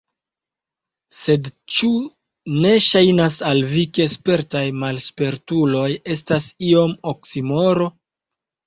Sed ĉu ne ŝajnas al vi, ke spertaj malspertuloj estas iom oksimoro?